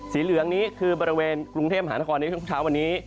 สีเหลืองนี้คือบริเวณกรุงเทพหานครในช่วงเช้าวันนี้